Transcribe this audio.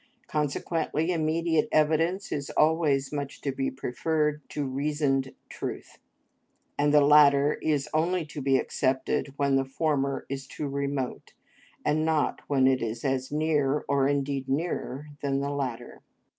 Consequently immediate evidence is always much to be preferred to reasoned truth, and the latter is only to be accepted when the former is too remote, and not when it is as near or indeed nearer than the latter.